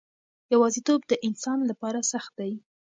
یوازیتوب د انسان لپاره سخت دی.